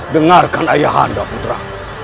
dengarkan ayah anda putra